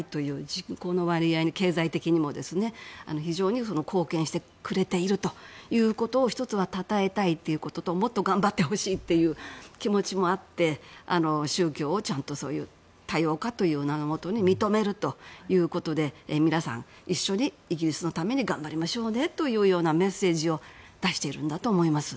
人口の割合、経済的にも非常に貢献してくれているということを１つはたたえたいということともっと頑張ってほしいという気持ちもあって宗教を、ちゃんと多様化という名のもとに認めるということで皆さん、一緒にイギリスのために頑張りましょうねというメッセージを出しているんだと思います。